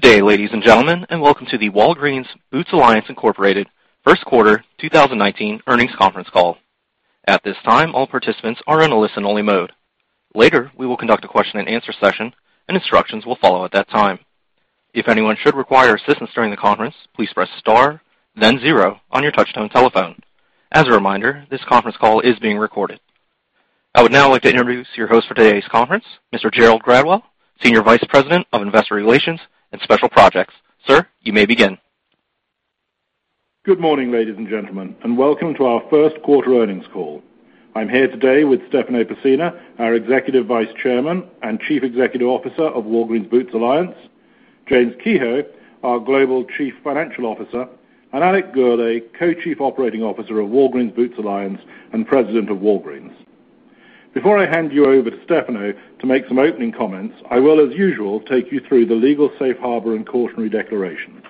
Good day, ladies and gentlemen, and welcome to the Walgreens Boots Alliance Incorporated First Quarter 2019 Earnings Conference Call. At this time, all participants are in a listen-only mode. Later, we will conduct a question-and-answer session, and instructions will follow at that time. If anyone should require assistance during the conference, please press star then zero on your touch-tone telephone. As a reminder, this conference call is being recorded. I would now like to introduce your host for today's conference, Mr. Gerald Gradwell, Senior Vice President of Investor Relations and Special Projects. Sir, you may begin. Good morning, ladies and gentlemen, and welcome to our first quarter earnings call. I'm here today with Stefano Pessina, our Executive Vice Chairman and Chief Executive Officer of Walgreens Boots Alliance, James Kehoe, our Global Chief Financial Officer, and Alex Gourlay, Co-Chief Operating Officer of Walgreens Boots Alliance and President of Walgreens. Before I hand you over to Stefano to make some opening comments, I will, as usual, take you through the legal safe harbor and cautionary declarations.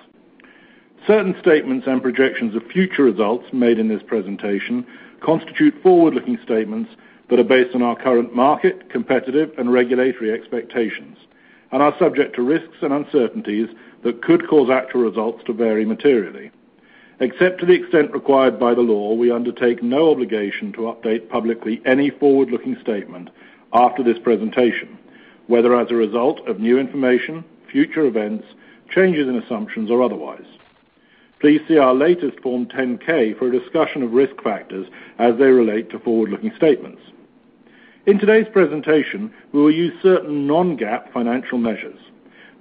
Certain statements and projections of future results made in this presentation constitute forward-looking statements that are based on our current market, competitive, and regulatory expectations and are subject to risks and uncertainties that could cause actual results to vary materially. Except to the extent required by the law, we undertake no obligation to update publicly any forward-looking statement after this presentation, whether as a result of new information, future events, changes in assumptions, or otherwise. Please see our latest Form 10-K for a discussion of risk factors as they relate to forward-looking statements. In today's presentation, we will use certain non-GAAP financial measures.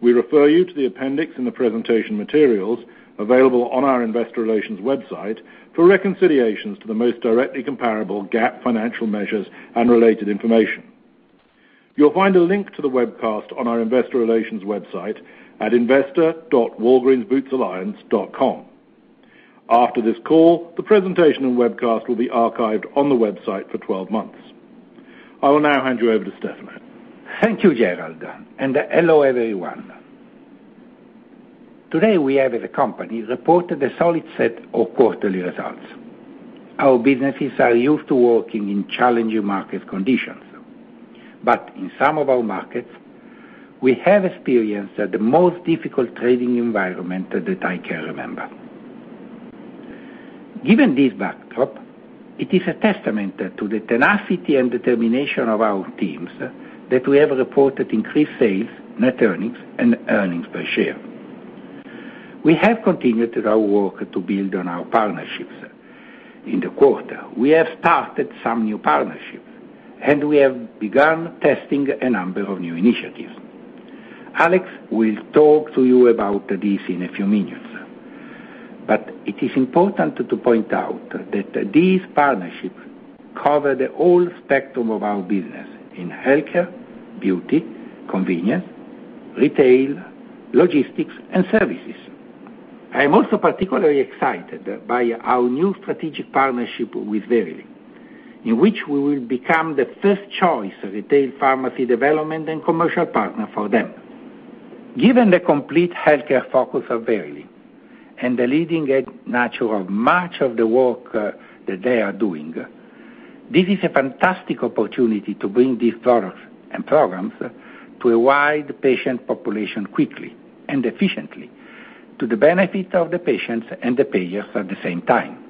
We refer you to the appendix in the presentation materials available on our investor relations website for reconciliations to the most directly comparable GAAP financial measures and related information. You'll find a link to the webcast on our investor relations website at investor.walgreensbootsalliance.com. After this call, the presentation and webcast will be archived on the website for 12 months. I will now hand you over to Stefano. Thank you, Gerald, and hello, everyone. Today, we as a company reported a solid set of quarterly results. Our businesses are used to working in challenging market conditions. In some of our markets, we have experienced the most difficult trading environment that I can remember. Given this backdrop, it is a testament to the tenacity and determination of our teams that we have reported increased sales, net earnings, and earnings per share. We have continued our work to build on our partnerships. In the quarter, we have started some new partnerships, and we have begun testing a number of new initiatives. Alex will talk to you about this in a few minutes. It is important to point out that these partnerships cover the whole spectrum of our business in healthcare, beauty, convenience, retail, logistics, and services. I am also particularly excited by our new strategic partnership with Verily, in which we will become the first choice of retail pharmacy development and commercial partner for them. Given the complete healthcare focus of Verily and the leading edge nature of much of the work that they are doing, this is a fantastic opportunity to bring these products and programs to a wide patient population quickly and efficiently to the benefit of the patients and the payers at the same time.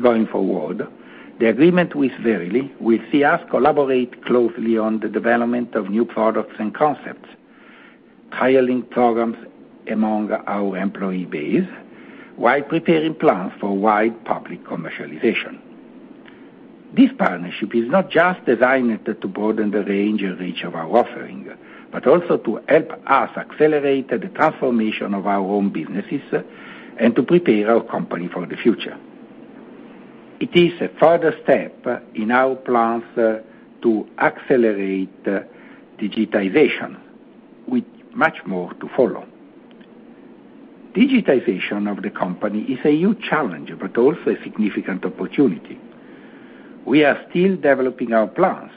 Going forward, the agreement with Verily will see us collaborate closely on the development of new products and concepts, trialing programs among our employee base while preparing plans for wide public commercialization. This partnership is not just designed to broaden the range and reach of our offering but also to help us accelerate the transformation of our own businesses and to prepare our company for the future. It is a further step in our plans to accelerate digitization, with much more to follow. Digitization of the company is a huge challenge but also a significant opportunity. We are still developing our plans,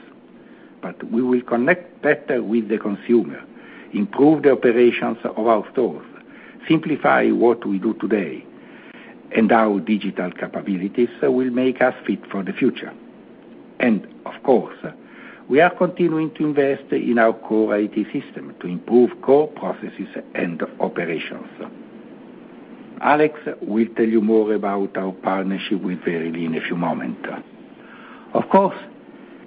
but we will connect better with the consumer, improve the operations of our stores, simplify what we do today, and our digital capabilities will make us fit for the future. Of course, we are continuing to invest in our core IT system to improve core processes and operations. Alex will tell you more about our partnership with Verily in a few moment. Of course,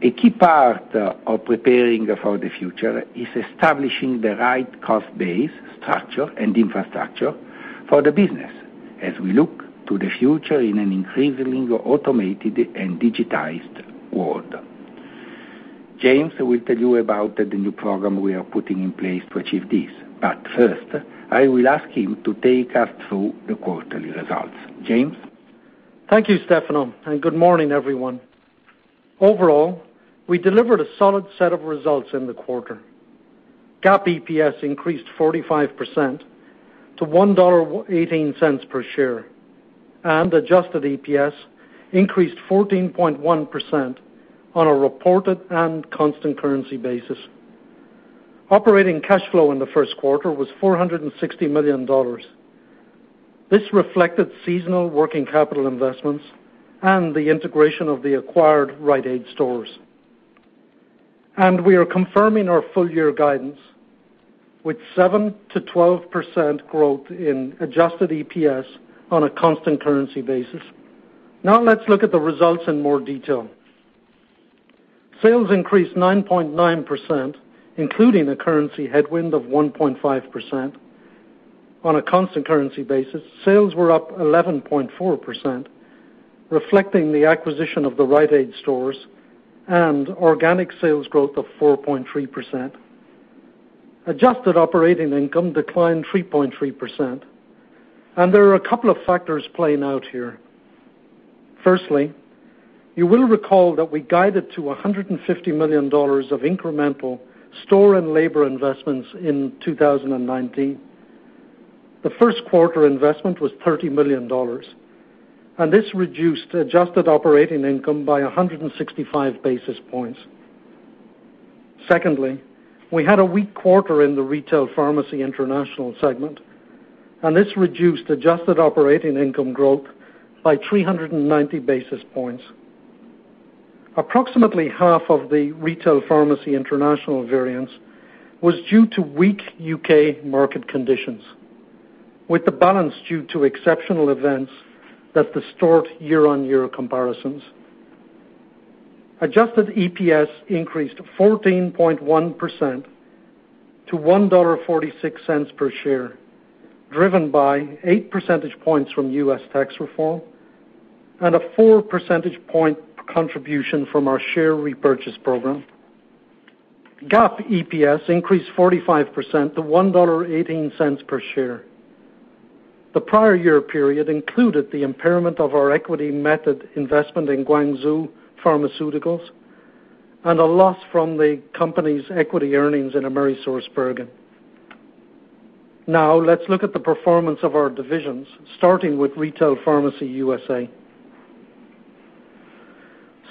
a key part of preparing for the future is establishing the right cost base, structure, and infrastructure for the business as we look to the future in an increasingly automated and digitized world. James will tell you about the new program we are putting in place to achieve this. First, I will ask him to take us through the quarterly results. James? Thank you, Stefano, and good morning, everyone. Overall, we delivered a solid set of results in the quarter. GAAP EPS increased 45% to $1.18 per share, and adjusted EPS increased 14.1% on a reported and constant currency basis. Operating cash flow in the first quarter was $460 million. This reflected seasonal working capital investments and the integration of the acquired Rite Aid stores. We are confirming our full year guidance with 7%-12% growth in adjusted EPS on a constant currency basis. Now let's look at the results in more detail. Sales increased 9.9%, including a currency headwind of 1.5%. On a constant currency basis, sales were up 11.4%, reflecting the acquisition of the Rite Aid stores and organic sales growth of 4.3%. Adjusted operating income declined 3.3%. There are a couple of factors playing out here. You will recall that we guided to $150 million of incremental store and labor investments in 2019. The first quarter investment was $30 million, and this reduced adjusted operating income by 165 basis points. We had a weak quarter in the Retail Pharmacy International segment, and this reduced adjusted operating income growth by 390 basis points. Approximately half of the Retail Pharmacy International variance was due to weak U.K. market conditions, with the balance due to exceptional events that distort year-on-year comparisons. Adjusted EPS increased 14.1% to $1.46 per share, driven by eight percentage points from U.S. tax reform and a four percentage point contribution from our share repurchase program. GAAP EPS increased 45% to $1.18 per share. The prior year period included the impairment of our equity method investment in Guangzhou Pharmaceuticals and a loss from the company's equity earnings in AmerisourceBergen. Let's look at the performance of our divisions, starting with Retail Pharmacy USA.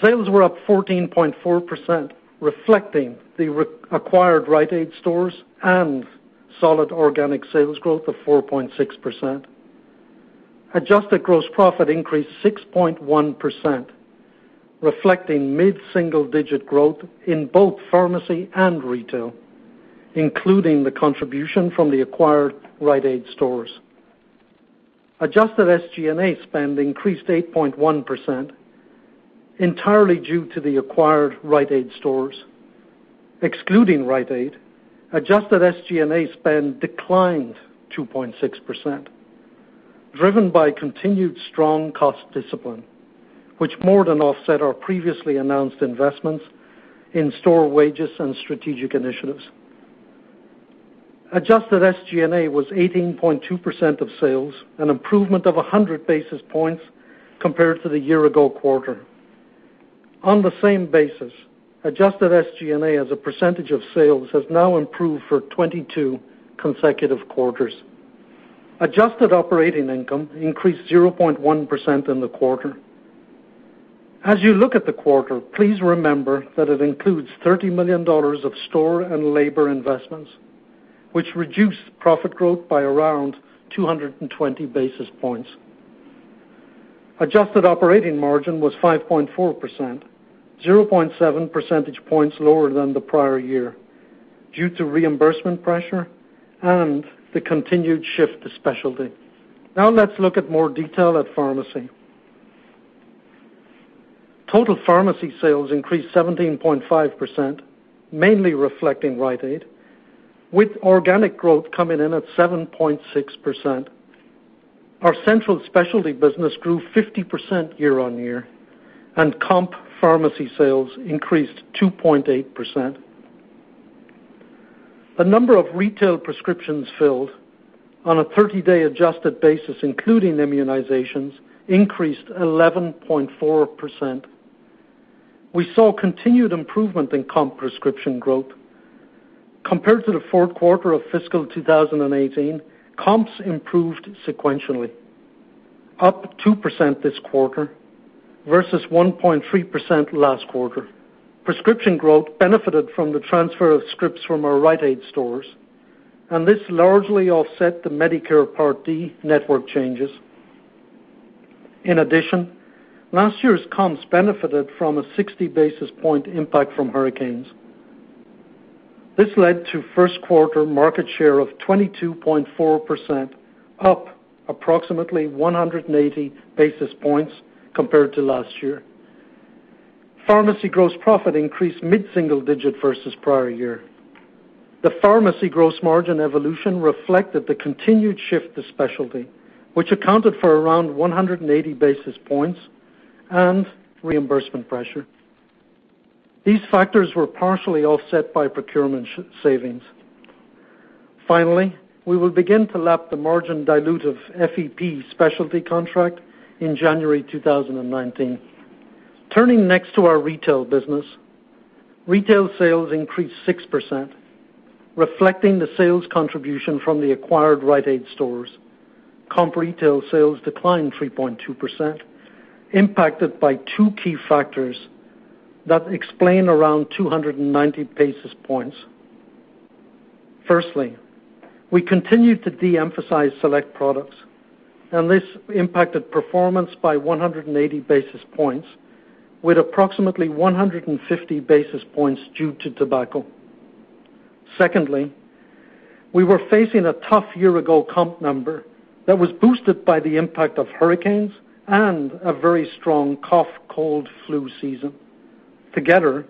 Sales were up 14.4%, reflecting the acquired Rite Aid stores and solid organic sales growth of 4.6%. Adjusted gross profit increased 6.1%, reflecting mid-single-digit growth in both pharmacy and retail, including the contribution from the acquired Rite Aid stores. Adjusted SG&A spend increased 8.1%, entirely due to the acquired Rite Aid stores. Excluding Rite Aid, adjusted SG&A spend declined 2.6%, driven by continued strong cost discipline, which more than offset our previously announced investments in store wages and strategic initiatives. Adjusted SG&A was 18.2% of sales, an improvement of 100 basis points compared to the year-ago quarter. On the same basis, adjusted SG&A as a percentage of sales has now improved for 22 consecutive quarters. Adjusted operating income increased 0.1% in the quarter. As you look at the quarter, please remember that it includes $30 million of store and labor investments, which reduced profit growth by around 220 basis points. Adjusted operating margin was 5.4%, 0.7 percentage points lower than the prior year due to reimbursement pressure and the continued shift to specialty. Let's look at more detail at pharmacy. Total pharmacy sales increased 17.5%, mainly reflecting Rite Aid, with organic growth coming in at 7.6%. Our central specialty business grew 50% year-on-year, and comp pharmacy sales increased 2.8%. The number of retail prescriptions filled on a 30-day adjusted basis, including immunizations, increased 11.4%. We saw continued improvement in comp prescription growth. Compared to the fourth quarter of fiscal 2018, comps improved sequentially, up 2% this quarter versus 1.3% last quarter. Prescription growth benefited from the transfer of scripts from our Rite Aid stores, and this largely offset the Medicare Part D network changes. Last year's comps benefited from a 60 basis point impact from hurricanes. This led to first quarter market share of 22.4%, up approximately 180 basis points compared to last year. Pharmacy gross profit increased mid-single-digit versus prior year. The pharmacy gross margin evolution reflected the continued shift to specialty, which accounted for around 180 basis points and reimbursement pressure. These factors were partially offset by procurement savings. We will begin to lap the margin dilute of FEP specialty contract in January 2019. Turning next to our retail business. Retail sales increased 6%, reflecting the sales contribution from the acquired Rite Aid stores. Comp retail sales declined 3.2%, impacted by two key factors that explain around 290 basis points. We continued to de-emphasize select products, and this impacted performance by 180 basis points, with approximately 150 basis points due to tobacco. We were facing a tough year-ago comp number that was boosted by the impact of hurricanes and a very strong cough, cold, flu season. Together,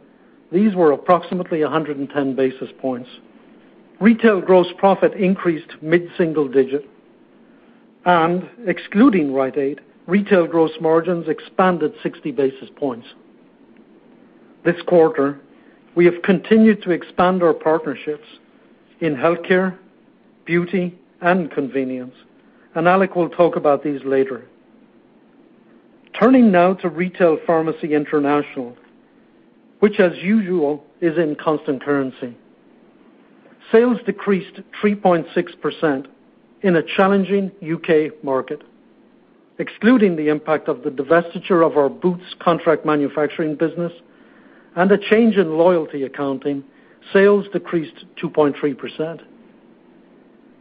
these were approximately 110 basis points. Retail gross profit increased mid-single digit, and excluding Rite Aid, retail gross margins expanded 60 basis points. This quarter, we have continued to expand our partnerships in healthcare, beauty, and convenience, and Alex will talk about these later. Turning now to Retail Pharmacy International, which as usual, is in constant currency. Sales decreased 3.6% in a challenging U.K. market. Excluding the impact of the divestiture of our Boots Contract Manufacturing business and a change in loyalty accounting, sales decreased 2.3%.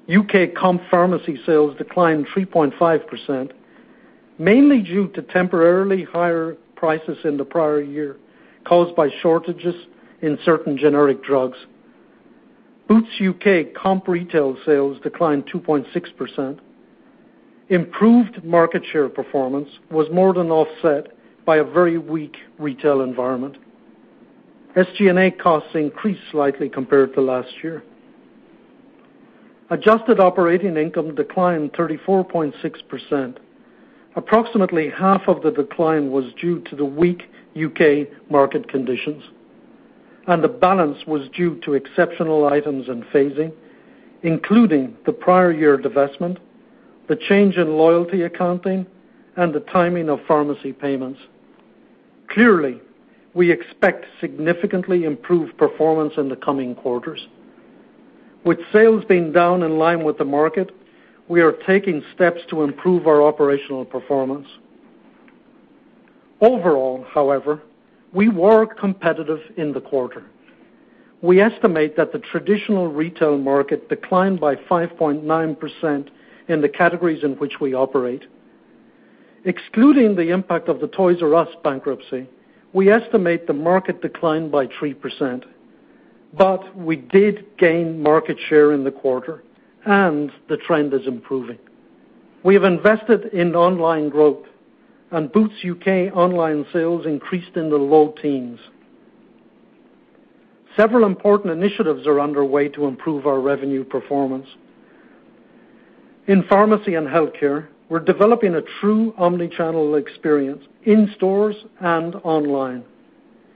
U.K. comp pharmacy sales declined 3.5%, mainly due to temporarily higher prices in the prior year caused by shortages in certain generic drugs. Boots U.K. comp retail sales declined 2.6%. Improved market share performance was more than offset by a very weak retail environment. SG&A costs increased slightly compared to last year. Adjusted operating income declined 34.6%. Approximately half of the decline was due to the weak U.K. market conditions, and the balance was due to exceptional items and phasing, including the prior year divestment, the change in loyalty accounting, and the timing of pharmacy payments. We expect significantly improved performance in the coming quarters. With sales being down in line with the market, we are taking steps to improve our operational performance. However, we were competitive in the quarter. We estimate that the traditional retail market declined by 5.9% in the categories in which we operate. Excluding the impact of the Toys "R" Us bankruptcy, we estimate the market declined by 3%. We did gain market share in the quarter, and the trend is improving. We have invested in online growth, and Boots U.K. online sales increased in the low teens. Several important initiatives are underway to improve our revenue performance. In pharmacy and healthcare, we're developing a true omni-channel experience in stores and online.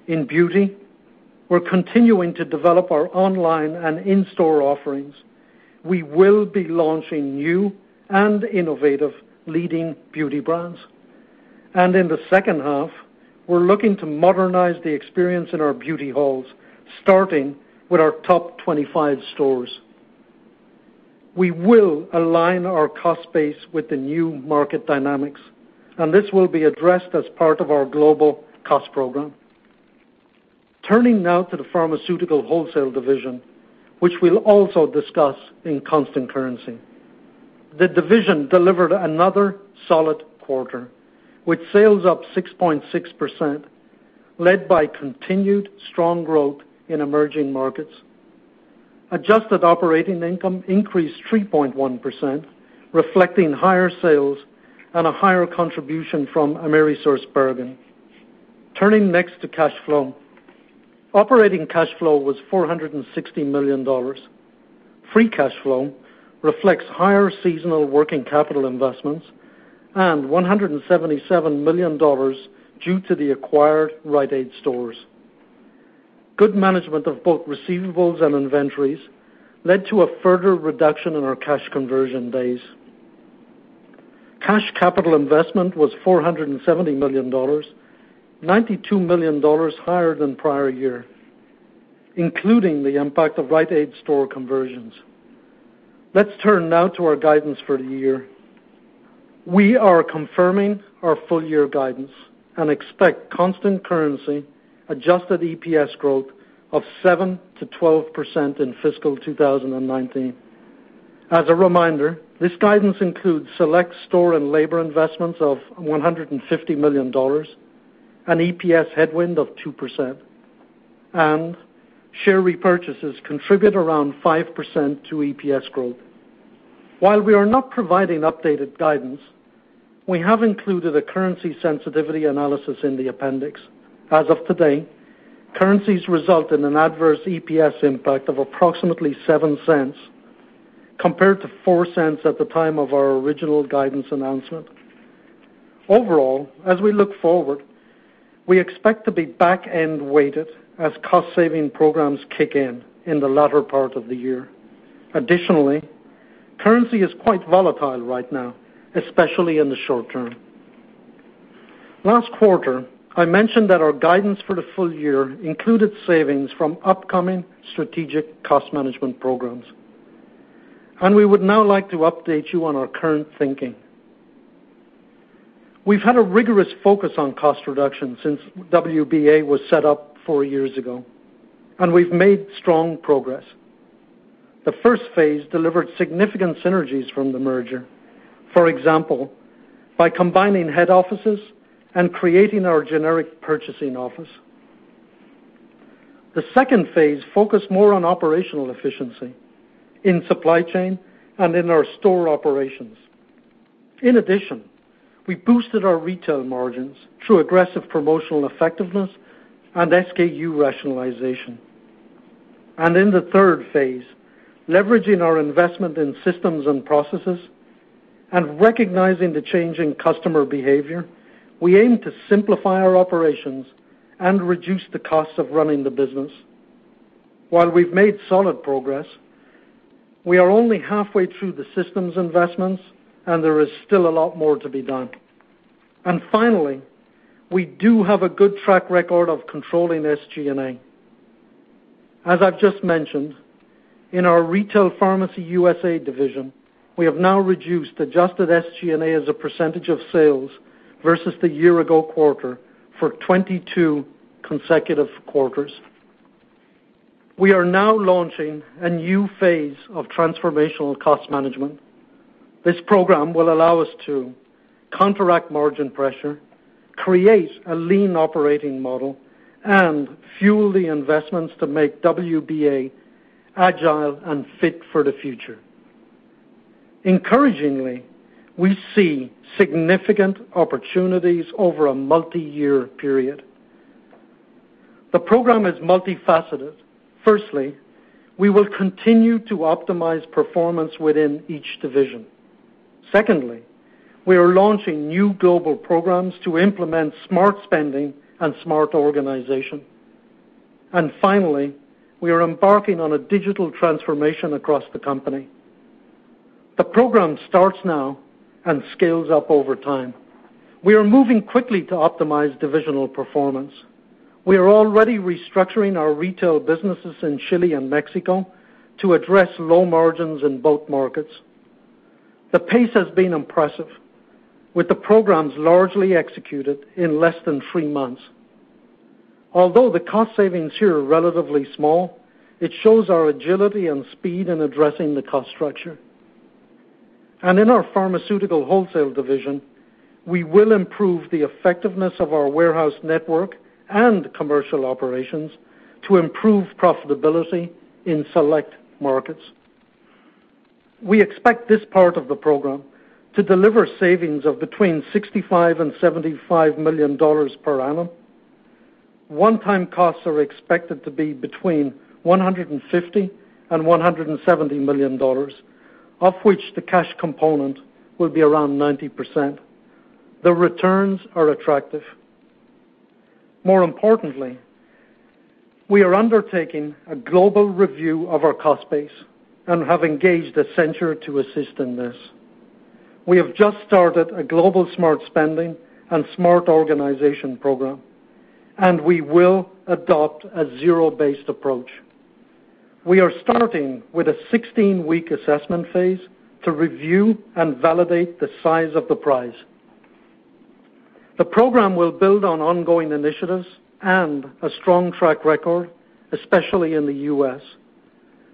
In beauty, we're continuing to develop our online and in-store offerings. We will be launching new and innovative leading beauty brands. In the second half, we're looking to modernize the experience in our beauty halls, starting with our top 25 stores. We will align our cost base with the new market dynamics, and this will be addressed as part of our global cost program. Turning now to the Pharmaceutical Wholesale division, which we'll also discuss in constant currency. The division delivered another solid quarter, with sales up 6.6%, led by continued strong growth in emerging markets. Adjusted operating income increased 3.1%, reflecting higher sales and a higher contribution from AmerisourceBergen. Turning next to cash flow. Operating cash flow was $460 million. Free cash flow reflects higher seasonal working capital investments and $177 million due to the acquired Rite Aid stores. Good management of both receivables and inventories led to a further reduction in our cash conversion days. Cash capital investment was $470 million, $92 million higher than prior year, including the impact of Rite Aid store conversions. Let's turn now to our guidance for the year. We are confirming our full year guidance and expect constant currency adjusted EPS growth of 7%-12% in fiscal 2019. As a reminder, this guidance includes select store and labor investments of $150 million, an EPS headwind of 2%, and share repurchases contribute around 5% to EPS growth. While we are not providing updated guidance, we have included a currency sensitivity analysis in the appendix. As of today, currencies result in an adverse EPS impact of approximately $0.07 compared to $0.04 at the time of our original guidance announcement. Overall, as we look forward, we expect to be back-end weighted as cost saving programs kick in the latter part of the year. Additionally, currency is quite volatile right now, especially in the short term. Last quarter, I mentioned that our guidance for the full year included savings from upcoming strategic cost management programs. We would now like to update you on our current thinking. We've had a rigorous focus on cost reduction since WBA was set up four years ago, and we've made strong progress. The first phase delivered significant synergies from the merger. For example, by combining head offices and creating our generic purchasing office. The second phase focused more on operational efficiency in supply chain and in our store operations. In addition, we boosted our retail margins through aggressive promotional effectiveness and SKU rationalization. In the third phase, leveraging our investment in systems and processes, and recognizing the change in customer behavior, we aim to simplify our operations and reduce the cost of running the business. While we've made solid progress, we are only halfway through the systems investments, and there is still a lot more to be done. Finally, we do have a good track record of controlling SG&A. As I've just mentioned, in our Retail Pharmacy USA division, we have now reduced adjusted SG&A as a percentage of sales versus the year-ago quarter for 22 consecutive quarters. We are now launching a new phase of transformational cost management. This program will allow us to counteract margin pressure, create a lean operating model, and fuel the investments to make WBA agile and fit for the future. Encouragingly, we see significant opportunities over a multiyear period. The program is multifaceted. Firstly, we will continue to optimize performance within each division. Secondly, we are launching new global programs to implement smart spending and smart organization. Finally, we are embarking on a digital transformation across the company. The program starts now and scales up over time. We are moving quickly to optimize divisional performance. We are already restructuring our retail businesses in Chile and Mexico to address low margins in both markets. The pace has been impressive, with the programs largely executed in less than three months. Although the cost savings here are relatively small, it shows our agility and speed in addressing the cost structure. In our Pharmaceutical Wholesale division, we will improve the effectiveness of our warehouse network and commercial operations to improve profitability in select markets. We expect this part of the program to deliver savings of between $65 million and $75 million per annum. One-time costs are expected to be between $150 million and $170 million, of which the cash component will be around 90%. The returns are attractive. More importantly, we are undertaking a global review of our cost base and have engaged Accenture to assist in this. We have just started a global smart spending and smart organization program. We will adopt a zero-based approach. We are starting with a 16-week assessment phase to review and validate the size of the prize. The program will build on ongoing initiatives and a strong track record, especially in the U.S.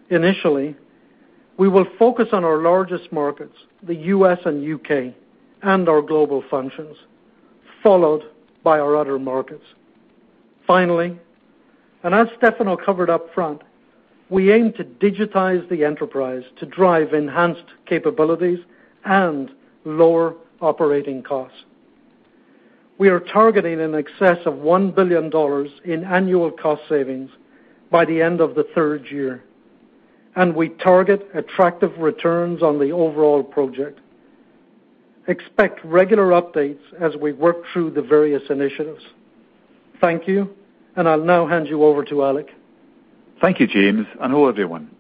Initially, we will focus on our largest markets, the U.S. and U.K., and our global functions, followed by our other markets. Finally, as Stefano covered up front, we aim to digitize the enterprise to drive enhanced capabilities and lower operating costs. We are targeting in excess of $1 billion in annual cost savings by the end of the third year, and we target attractive returns on the overall project. Expect regular updates as we work through the various initiatives. Thank you. I'll now hand you over to Alex. Thank you, James. Hello, everyone.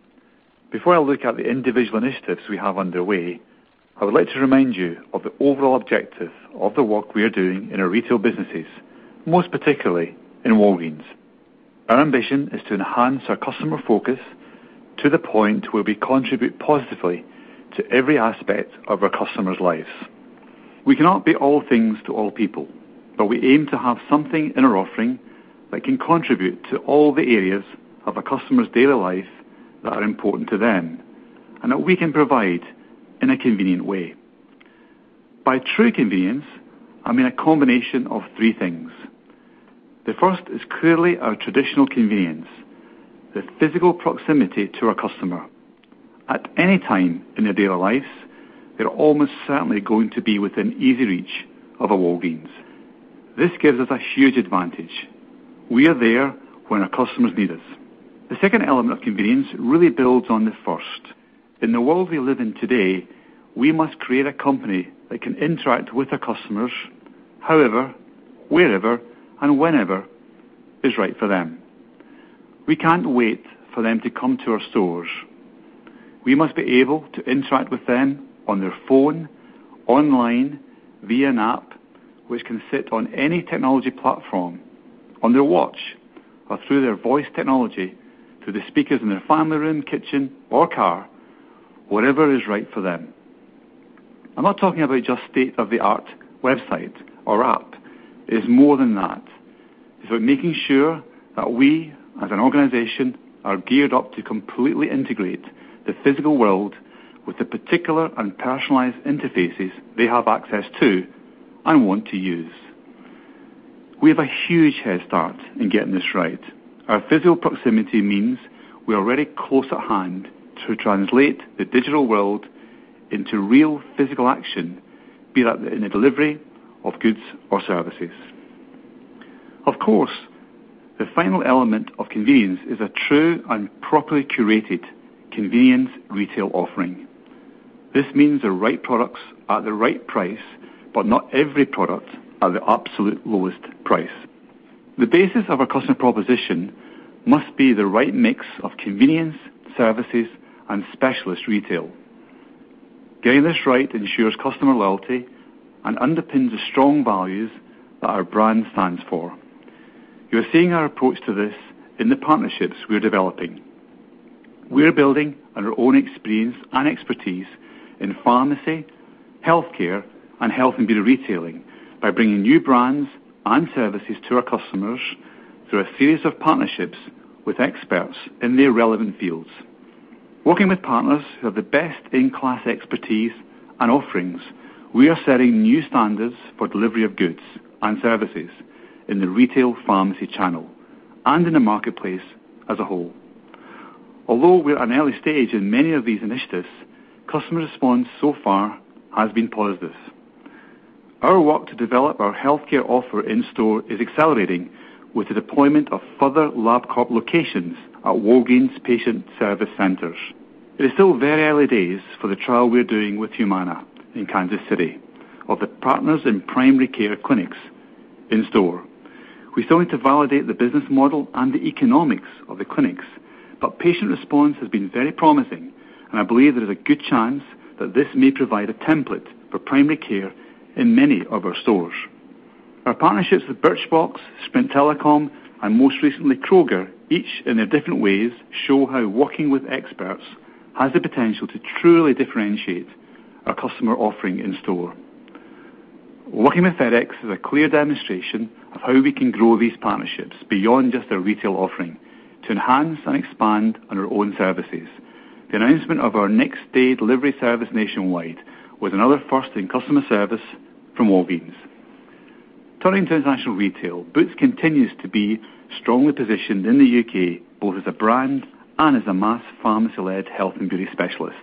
Before I look at the individual initiatives we have underway, I would like to remind you of the overall objective of the work we are doing in our retail businesses, most particularly in Walgreens. Our ambition is to enhance our customer focus to the point where we contribute positively to every aspect of our customers' lives. We cannot be all things to all people, but we aim to have something in our offering that can contribute to all the areas of a customer's daily life that are important to them, and that we can provide in a convenient way. By true convenience, I mean a combination of three things. The first is clearly our traditional convenience, the physical proximity to our customer. At any time in their daily lives, they're almost certainly going to be within easy reach of a Walgreens. This gives us a huge advantage. We are there when our customers need us. The second element of convenience really builds on the first. In the world we live in today, we must create a company that can interact with our customers, however, wherever, and whenever is right for them. We can't wait for them to come to our stores. We must be able to interact with them on their phone, online, via an app, which can sit on any technology platform, on their watch, or through their voice technology, through the speakers in their family room, kitchen, or car. Whatever is right for them. I'm not talking about just state-of-the-art website or app. It is more than that. It's about making sure that we, as an organization, are geared up to completely integrate the physical world with the particular and personalized interfaces they have access to and want to use. We have a huge head start in getting this right. Our physical proximity means we are very close at hand to translate the digital world into real physical action, be that in the delivery of goods or services. Of course, the final element of convenience is a true and properly curated convenience retail offering. This means the right products at the right price. Not every product at the absolute lowest price. The basis of our customer proposition must be the right mix of convenience, services, and specialist retail. Getting this right ensures customer loyalty and underpins the strong values that our brand stands for. You are seeing our approach to this in the partnerships we're developing. We are building on our own experience and expertise in pharmacy, healthcare, and health and beauty retailing by bringing new brands and services to our customers through a series of partnerships with experts in their relevant fields. Working with partners who have the best-in-class expertise and offerings, we are setting new standards for delivery of goods and services in the retail pharmacy channel and in the marketplace as a whole. Although we are at an early stage in many of these initiatives, customer response so far has been positive. Our work to develop our healthcare offer in-store is accelerating with the deployment of further Labcorp locations at Walgreens patient service centers. It is still very early days for the trial we're doing with Humana in Kansas City of the partners in primary care clinics in store. We still need to validate the business model and the economics of the clinics. Patient response has been very promising, and I believe there is a good chance that this may provide a template for primary care in many of our stores. Our partnerships with Birchbox, Sprint Telecom, and most recently, Kroger, each in their different ways, show how working with experts has the potential to truly differentiate our customer offering in store. Working with FedEx is a clear demonstration of how we can grow these partnerships beyond just our retail offering to enhance and expand on our own services. The announcement of our next-day delivery service nationwide was another first in customer service from Walgreens. Turning to international retail, Boots continues to be strongly positioned in the U.K., both as a brand and as a mass pharmacy-led health and beauty specialist.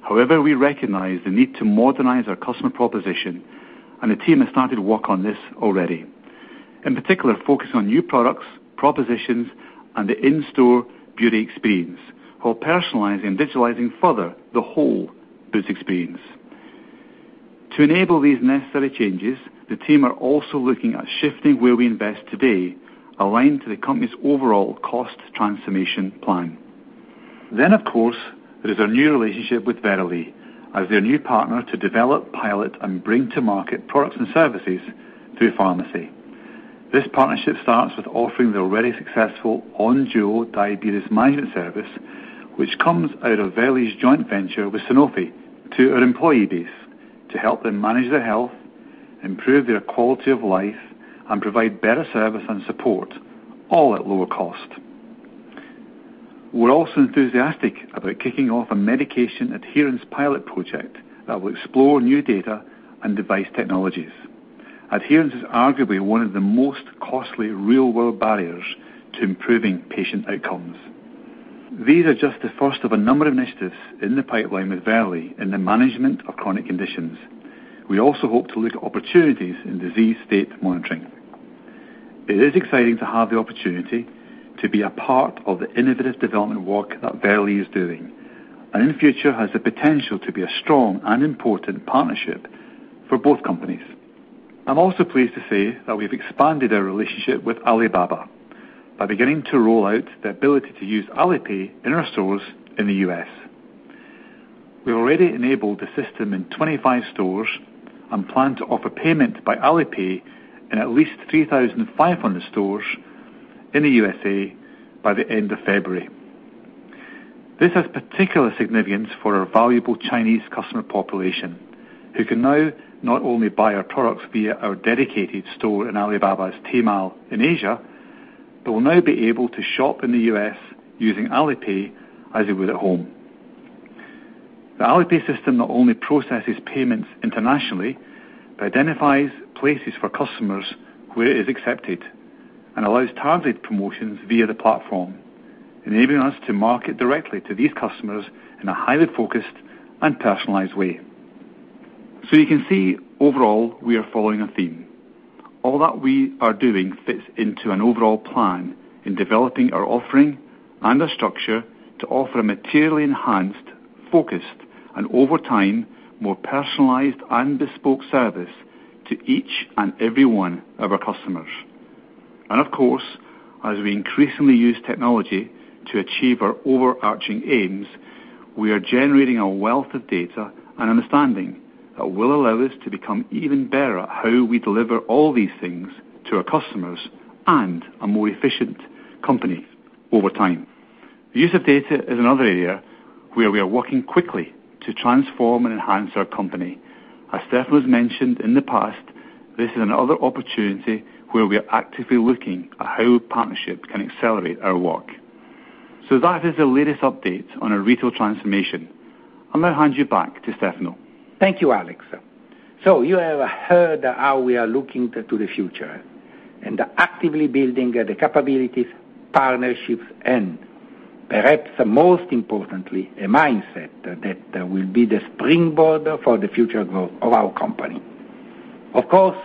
However, we recognize the need to modernize our customer proposition, and the team has started work on this already. In particular, focus on new products, propositions, and the in-store beauty experience while personalizing and digitalizing further the whole Boots experience. To enable these necessary changes, the team are also looking at shifting where we invest today, aligned to the company's overall cost transformation plan. Of course, there is our new relationship with Verily as their new partner to develop, pilot, and bring to market products and services through pharmacy. This partnership starts with offering the already successful Onduo diabetes management service, which comes out of Verily's joint venture with Sanofi, to our employee base to help them manage their health, improve their quality of life, and provide better service and support, all at lower cost. We're also enthusiastic about kicking off a medication adherence pilot project that will explore new data and device technologies. Adherence is arguably one of the most costly real-world barriers to improving patient outcomes. These are just the first of a number of initiatives in the pipeline with Verily in the management of chronic conditions. We also hope to look at opportunities in disease state monitoring. It is exciting to have the opportunity to be a part of the innovative development work that Verily is doing, and in future has the potential to be a strong and important partnership for both companies. I'm also pleased to say that we've expanded our relationship with Alibaba by beginning to roll out the ability to use Alipay in our stores in the U.S. We've already enabled the system in 25 stores and plan to offer payment by Alipay in at least 3,500 stores in the USA by the end of February. This has particular significance for our valuable Chinese customer population, who can now not only buy our products via our dedicated store in Alibaba's Tmall in Asia, but will now be able to shop in the U.S. using Alipay as they would at home. The Alipay system not only processes payments internationally, but identifies places for customers where it is accepted and allows targeted promotions via the platform, enabling us to market directly to these customers in a highly focused and personalized way. You can see, overall, we are following a theme. All that we are doing fits into an overall plan in developing our offering and our structure to offer a materially enhanced, focused, and over time, more personalized and bespoke service to each and every one of our customers. Of course, as we increasingly use technology to achieve our overarching aims, we are generating a wealth of data and understanding that will allow us to become even better at how we deliver all these things to our customers and a more efficient company over time. The use of data is another area where we are working quickly to transform and enhance our company. As Stefano's mentioned in the past, this is another opportunity where we're actively looking at how partnership can accelerate our work. That is the latest update on our retail transformation. I'll now hand you back to Stefano. Thank you, Alex. You have heard how we are looking to the future and actively building the capabilities, partnerships, and perhaps most importantly, a mindset that will be the springboard for the future growth of our company. Of course,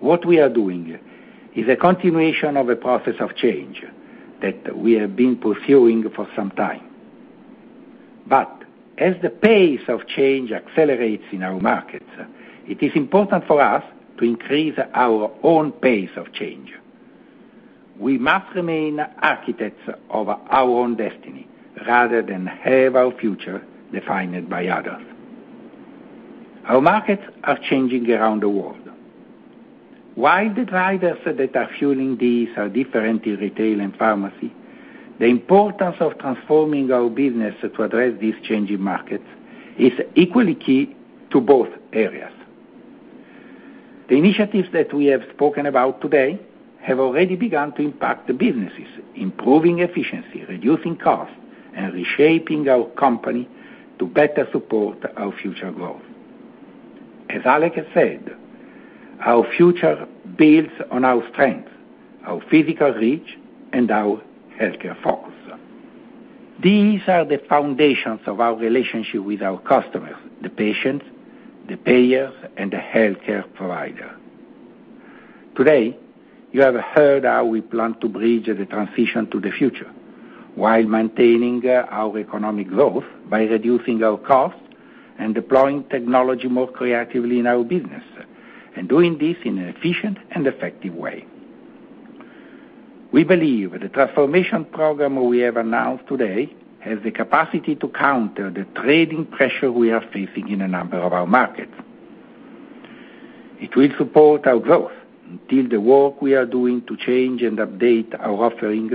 what we are doing is a continuation of a process of change that we have been pursuing for some time. As the pace of change accelerates in our markets, it is important for us to increase our own pace of change. We must remain architects of our own destiny rather than have our future defined by others. Our markets are changing around the world. While the drivers that are fueling these are different in retail and pharmacy, the importance of transforming our business to address these changing markets is equally key to both areas. The initiatives that we have spoken about today have already begun to impact the businesses, improving efficiency, reducing costs, and reshaping our company to better support our future growth. As Alex said, our future builds on our strengths, our physical reach, and our healthcare focus. These are the foundations of our relationship with our customers, the patients, the payers, and the healthcare provider. Today, you have heard how we plan to bridge the transition to the future while maintaining our economic growth by reducing our costs and deploying technology more creatively in our business, and doing this in an efficient and effective way. We believe the transformation program we have announced today has the capacity to counter the trading pressure we are facing in a number of our markets. It will support our growth until the work we are doing to change and update our offering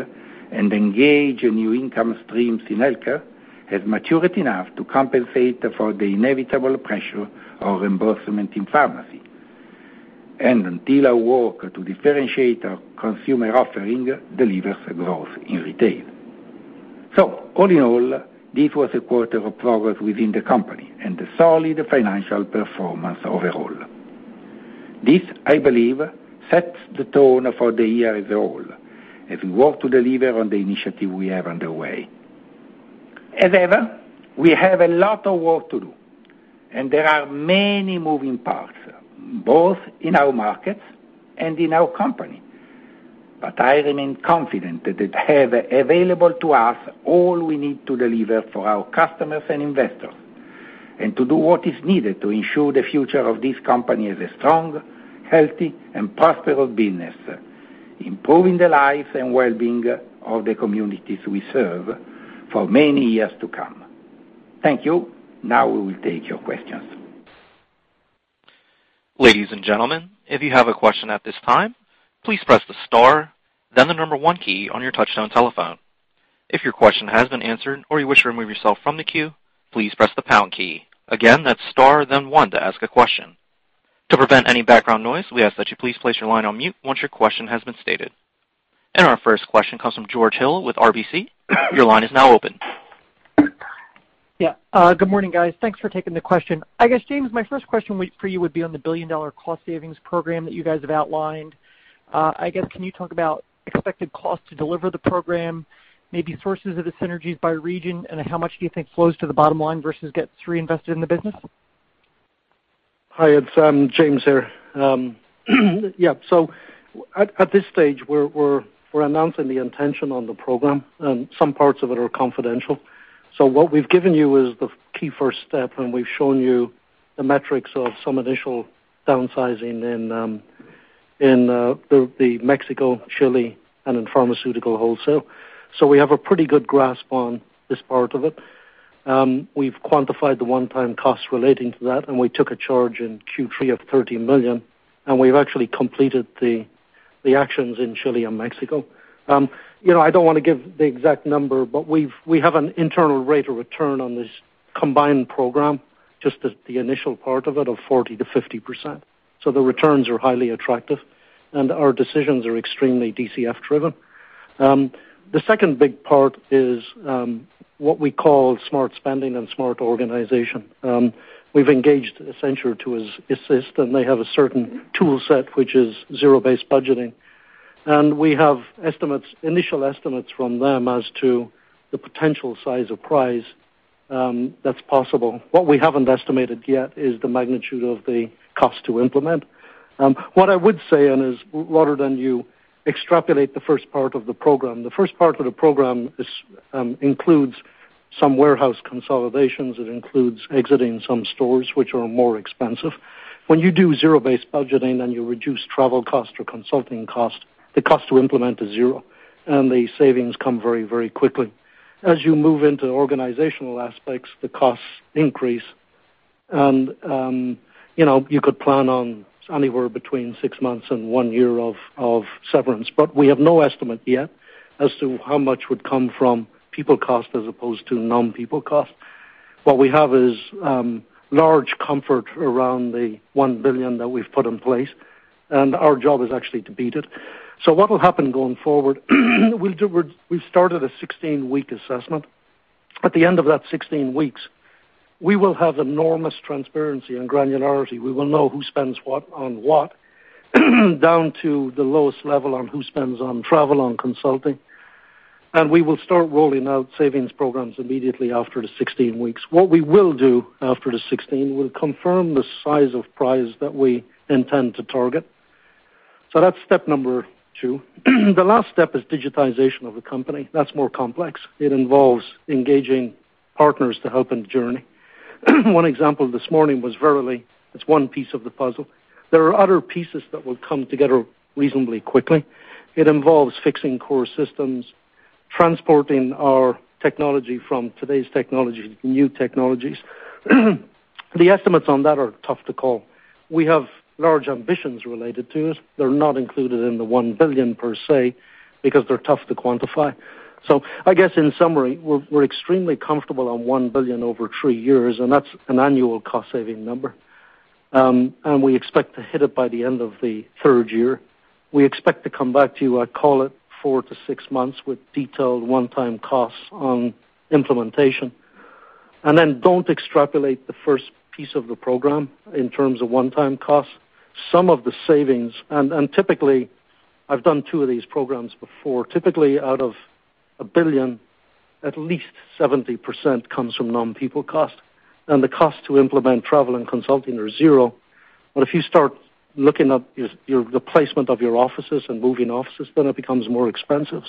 and engage new income streams in healthcare has matured enough to compensate for the inevitable pressure of reimbursement in pharmacy. Until our work to differentiate our consumer offering delivers growth in retail. All in all, this was a quarter of progress within the company and a solid financial performance overall. This, I believe, sets the tone for the year as a whole as we work to deliver on the initiative we have underway. As ever, we have a lot of work to do, and there are many moving parts, both in our markets and in our company. I remain confident that we have available to us all we need to deliver for our customers and investors, and to do what is needed to ensure the future of this company is a strong, healthy, and profitable business, improving the lives and well-being of the communities we serve for many years to come. Thank you. Now we will take your questions. Ladies and gentlemen, if you have a question at this time, please press the star then the number one key on your touch-tone telephone. If your question has been answered or you wish to remove yourself from the queue, please press the pound key. Again, that's star then one to ask a question. To prevent any background noise, we ask that you please place your line on mute once your question has been stated. Our first question comes from George Hill with RBC. Your line is now open. Good morning, guys. Thanks for taking the question. I guess, James, my first question for you would be on the billion-dollar cost savings program that you guys have outlined. I guess, can you talk about expected cost to deliver the program, maybe sources of the synergies by region, and how much do you think flows to the bottom line versus gets reinvested in the business? Hi, it's James here. Yeah. At this stage, we're announcing the intention on the program, and some parts of it are confidential. What we've given you is the key first step, and we've shown you the metrics of some initial downsizing in Mexico, Chile, and in Pharmaceutical Wholesale. We have a pretty good grasp on this part of it. We've quantified the one-time cost relating to that, and we took a charge in Q3 of $30 million, and we've actually completed the actions in Chile and Mexico. I don't want to give the exact number, but we have an internal rate of return on this combined program, just as the initial part of it, of 40%-50%. The returns are highly attractive, and our decisions are extremely DCF driven. The second big part is what we call smart spending and smart organization. We've engaged Accenture to assist, and they have a certain tool set, which is zero-based budgeting. We have initial estimates from them as to the potential size of prize that's possible. What we haven't estimated yet is the magnitude of the cost to implement. What I would say, rather than you extrapolate the first part of the program. The first part of the program includes some warehouse consolidations. It includes exiting some stores which are more expensive. When you do zero-based budgeting and you reduce travel cost or consulting cost, the cost to implement is zero, and the savings come very quickly. As you move into organizational aspects, the costs increase. You could plan on anywhere between six months and one year of severance. We have no estimate yet as to how much would come from people cost as opposed to non-people cost. What we have is large comfort around the $1 billion that we've put in place, and our job is actually to beat it. What will happen going forward, we've started a 16-week assessment. At the end of that 16 weeks, we will have enormous transparency and granularity. We will know who spends what on what, down to the lowest level on who spends on travel, on consulting. We will start rolling out savings programs immediately after the 16 weeks. What we will do after the 16, we'll confirm the size of prize that we intend to target. That's step number two. The last step is digitization of the company. That's more complex. It involves engaging partners to help in the journey. One example this morning was Verily. It's one piece of the puzzle. There are other pieces that will come together reasonably quickly. It involves fixing core systems, transporting our technology from today's technology to new technologies. The estimates on that are tough to call. We have large ambitions related to it. They're not included in the $1 billion per se, because they're tough to quantify. I guess in summary, we're extremely comfortable on $1 billion over three years, and that's an annual cost-saving number. We expect to hit it by the end of the third year. We expect to come back to you, I'd call it four to six months, with detailed one-time costs on implementation. Then don't extrapolate the first piece of the program in terms of one-time costs. Some of the savings. Typically, I've done two of these programs before. Typically, out of a $1 billion, at least 70% comes from non-people cost. The cost to implement travel and consulting are zero. If you start looking at the placement of your offices and moving offices, then it becomes more expensive.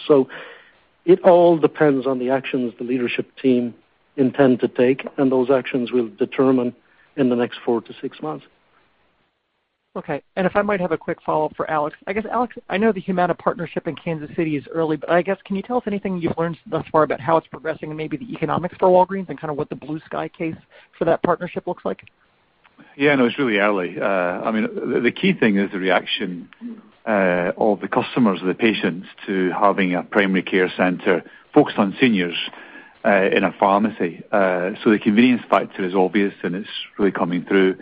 It all depends on the actions the leadership team intend to take, and those actions we'll determine in the next four to six months. Okay. If I might have a quick follow-up for Alex. I guess, Alex Gourlay, I know the Humana partnership in Kansas City is early, but I guess, can you tell us anything you've learned thus far about how it's progressing and maybe the economics for Walgreens and kind of what the blue sky case for that partnership looks like? Yeah, no, it's really early. The key thing is the reaction of the customers, the patients to having a primary care center focused on seniors in a pharmacy. The convenience factor is obvious, and it's really coming through.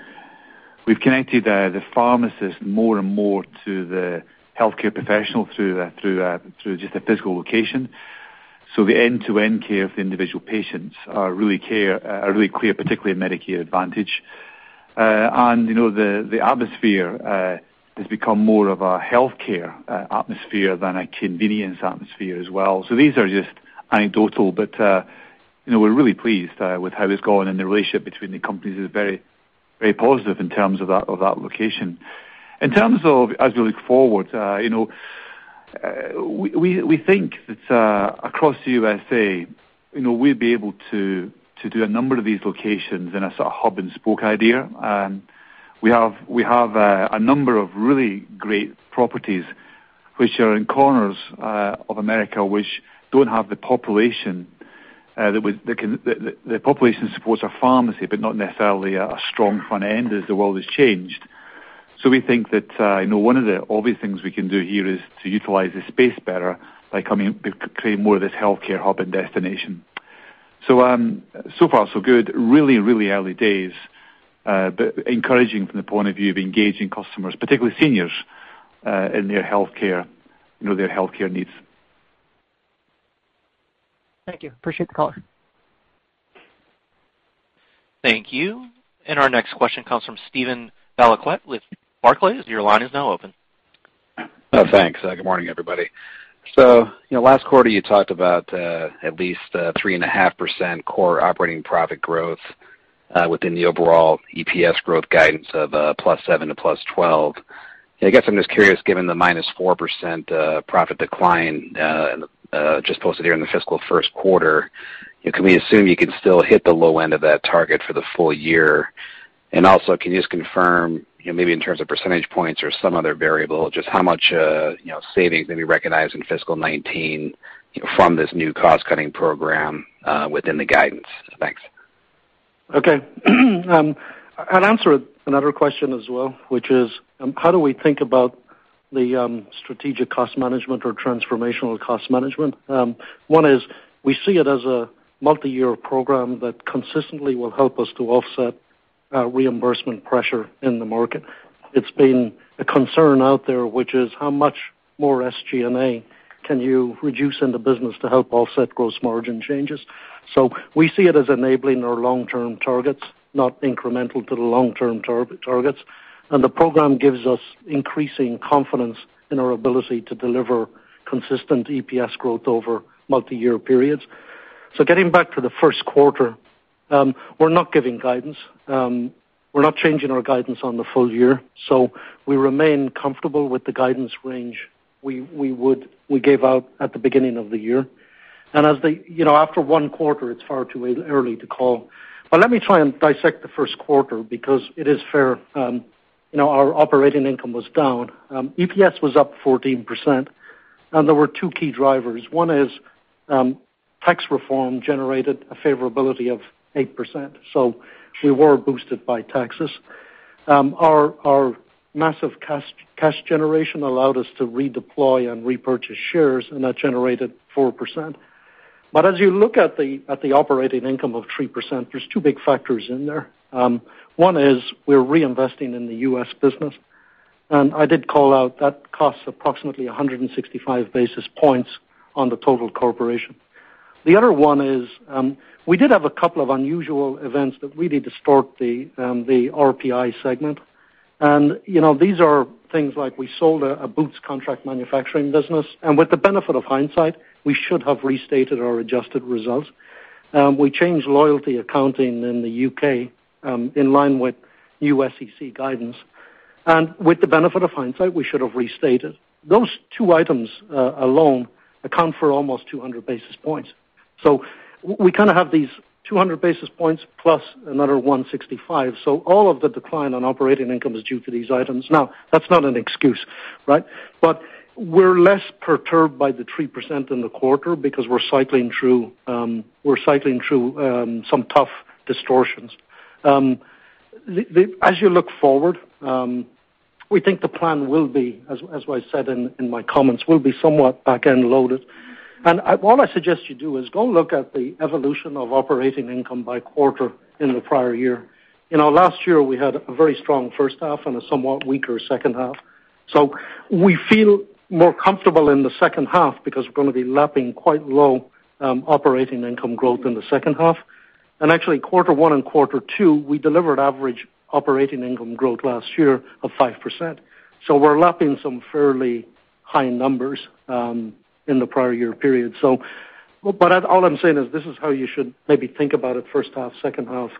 We've connected the pharmacist more and more to the healthcare professional through just a physical location. The end-to-end care of the individual patients are really clear, particularly in Medicare Advantage. The atmosphere has become more of a healthcare atmosphere than a convenience atmosphere as well. These are just anecdotal, but we're really pleased with how it's going, and the relationship between the companies is very positive in terms of that location. In terms of as we look forward, we think that across the U.S.A., we'll be able to do a number of these locations in a sort of hub-and-spoke idea. We have a number of really great properties which are in corners of America, which don't have the population. The population supports a pharmacy, but not necessarily a strong front end as the world has changed. We think that one of the obvious things we can do here is to utilize the space better by creating more of this healthcare hub and destination. So far so good. Really early days. Encouraging from the point of view of engaging customers, particularly seniors, in their healthcare needs. Thank you. Appreciate the call. Thank you. Our next question comes from Steven Valiquette with Barclays. Your line is now open. Thanks. Good morning, everybody. Last quarter, you talked about at least 3.5% core operating profit growth within the overall EPS growth guidance of +7% to +12%. I guess I'm just curious, given the -4% profit decline just posted here in the fiscal first quarter, can we assume you can still hit the low end of that target for the full year? Also, can you just confirm, maybe in terms of percentage points or some other variable, just how much savings may be recognized in fiscal 2019 from this new cost-cutting program within the guidance? Thanks. I'll answer another question as well, which is, how do we think about the strategic cost management or transformational cost management? One is, we see it as a multi-year program that consistently will help us to offset reimbursement pressure in the market. It's been a concern out there, which is how much more SG&A can you reduce in the business to help offset gross margin changes. We see it as enabling our long-term targets, not incremental to the long-term targets. The program gives us increasing confidence in our ability to deliver consistent EPS growth over multi-year periods. Getting back to the first quarter, we're not giving guidance. We're not changing our guidance on the full year, so we remain comfortable with the guidance range we gave out at the beginning of the year. After one quarter, it's far too early to call. Let me try and dissect the first quarter because it is fair. Our operating income was down. EPS was up 14%. There were two key drivers. One is, tax reform generated a favorability of 8%. We were boosted by taxes. Our massive cash generation allowed us to redeploy and repurchase shares. That generated 4%. As you look at the operating income of 3%, there's two big factors in there. One is we're reinvesting in the U.S. business. I did call out that costs approximately 165 basis points on the total corporation. The other one is, we did have a couple of unusual events that really distort the RPI segment. These are things like we sold a Boots Contract Manufacturing business, and with the benefit of hindsight, we should have restated our adjusted results. We changed loyalty accounting in the U.K., in line with new SEC guidance. With the benefit of hindsight, we should have restated. Those two items alone account for almost 200 basis points. We kind of have these 200 basis points plus another 165. All of the decline on operating income is due to these items. Now, that's not an excuse, right? We're less perturbed by the 3% in the quarter because we're cycling through some tough distortions. As you look forward, we think the plan will be, as what I said in my comments, will be somewhat back-end loaded. What I suggest you do is go look at the evolution of operating income by quarter in the prior year. Last year, we had a very strong first half and a somewhat weaker second half. We feel more comfortable in the second half because we're going to be lapping quite low operating income growth in the second half. Actually quarter one and quarter two, we delivered average operating income growth last year of 5%. We're lapping some fairly high numbers in the prior year period. All I'm saying is this is how you should maybe think about it first half, second half.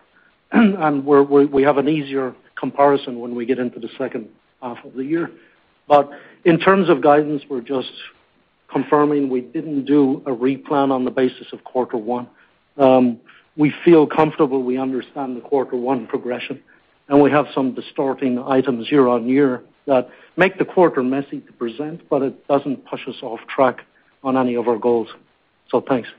We have an easier comparison when we get into the second half of the year. In terms of guidance, we're just confirming we didn't do a re-plan on the basis of quarter one. We feel comfortable we understand the quarter one progression. We have some distorting items year on year that make the quarter messy to present, but it doesn't push us off track on any of our goals. Thanks.